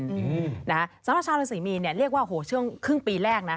สำหรับชาวราศิมีเรียกว่าโอ้โฮเชื่องครึ่งปีแรกนะ